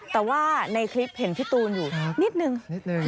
แต่ว่าในคลิปเห็นพี่ตูนอยู่นิดนึง